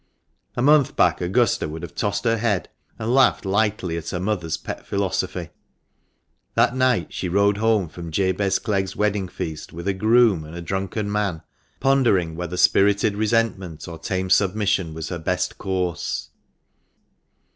A month back Augusta would have tossed her head, and laughed lightly at her mother's pet philosophy. That night she rode home from Jabez Clegg's wedding feast with a groom and a drunken man, pondering whether spirited resentment or tame submission was her best course.